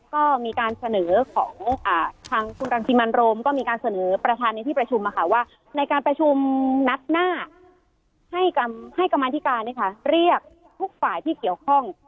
ก็มีการเสนอของทางคุณรังสิมันโรมก็มีการเสนอประธานในที่ประชุมว่าในการประชุมนัดหน้าให้กรรมธิการเรียกทุกฝ่ายที่เกี่ยวข้อง